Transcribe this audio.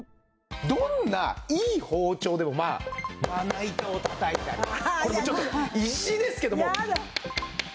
どんないい包丁でもまあまな板をたたいたりこれもうちょっと石ですけども。